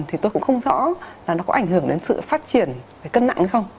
thì tôi cũng không rõ là nó có ảnh hưởng đến sự phát triển phải cân nặng hay không